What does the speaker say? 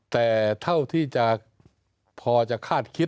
แต่เท่าที่จะพอจะคาดคิด